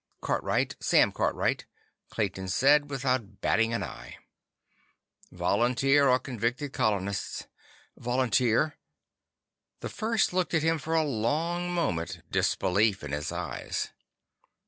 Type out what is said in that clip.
"Cartwright. Sam Cartwright," Clayton said without batting an eye. "Volunteer or convicted colonist?" "Volunteer." The First looked at him for a long moment, disbelief in his eyes.